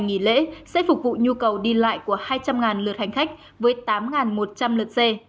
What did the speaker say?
nghỉ lễ sẽ phục vụ nhu cầu đi lại của hai trăm linh lượt hành khách với tám một trăm linh lượt xe